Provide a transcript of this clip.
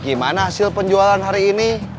gimana hasil penjualan hari ini